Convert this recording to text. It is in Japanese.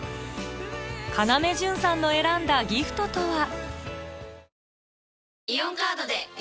要潤さんの選んだギフトとは？